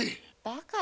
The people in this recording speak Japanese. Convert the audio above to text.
バカ！